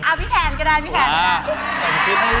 เอาพี่แทนก็ได้พี่แทน